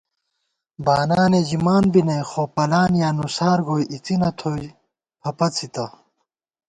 بانانے ژِمان بی نئ خو پَلان یا نُسارہ گوئی اِڅِنہ تھوئی پھپھڅِتہ